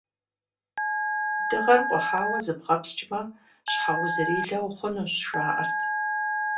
Дыгъэр къухьауэ зыбгъэпскӀмэ, щхьэузырилэ ухъунущ, жаӀэрт.